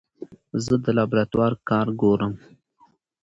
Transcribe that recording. زه د لابراتوار کار ګورم.